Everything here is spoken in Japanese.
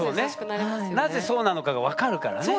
なぜそうなのかが分かるからね。